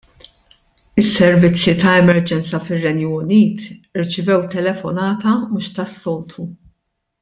Is-servizzi ta' emerġenza fir-Renju Unit irċivew telefonata mhux tas-soltu.